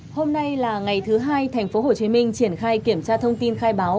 hôm nay là ngày thứ hai tp hcm triển khai kiểm tra thông tin khai báo